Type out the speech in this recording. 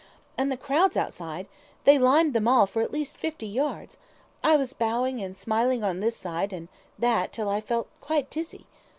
And the crowds outside: they lined the Mall for at least fifty yards. I was bowing and smiling on this side and that till I felt quite dizzy."